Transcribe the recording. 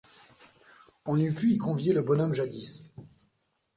On eût pu y convier le bonhomme Jadis.